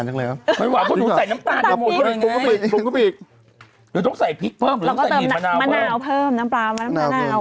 ใช่ครับผม